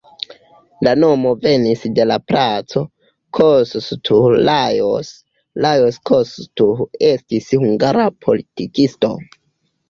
La nomo venis de la Placo Kossuth Lajos, Lajos Kossuth estis hungara politikisto.